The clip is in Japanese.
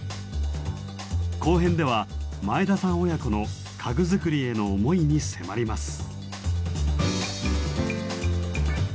後編では前田さん親子の家具作りへの思いに迫ります。